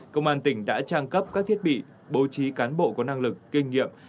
công an tỉnh đã trang cấp các thiết bị bố trí cán bộ có năng lực kinh nghiệm